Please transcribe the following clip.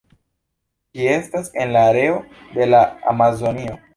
Ĝi estas en la areo de la Amazonio.